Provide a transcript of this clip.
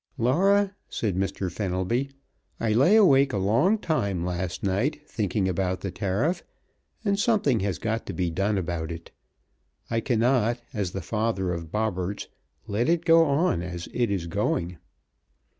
"Laura," said Mr. Fenelby, "I lay awake a long time last night thinking about the tariff, and something has got to be done about it! I cannot, as the father of Bobberts, let it go on as it is going."